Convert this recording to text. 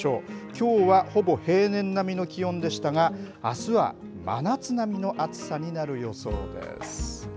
きょうはほぼ平年並みの気温でしたが、あすは真夏並みの暑さになる予想です。